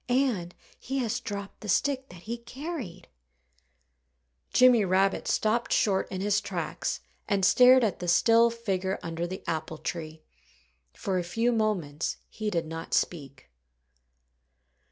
And he has dropped the stick that he carried." Jimmy Rabbit stopped short in his tracks and stared at the still figure under the apple tree. For a few moments he did not speak.